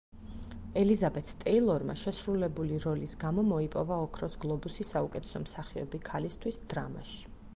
ელიზაბეთ ტეილორმა შესრულებული როლის გამო მოიპოვა ოქროს გლობუსი საუკეთესო მსახიობი ქალისთვის დრამაში.